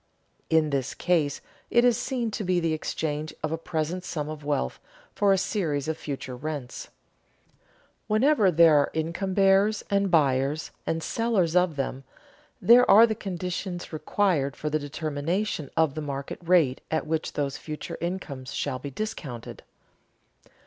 In this case it is seen to be the exchange of a present sum of wealth for a series of future rents. Whenever there are income bearers and buyers and sellers of them, there are the conditions required for the determination of the market rate at which those future incomes shall be discounted.